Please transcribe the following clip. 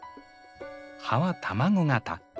葉は卵型。